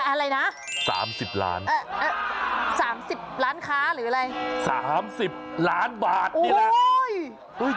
อะไรนะ๓๐ล้าน๓๐ล้านค้าหรืออะไร๓๐ล้านบาทนี่แหละ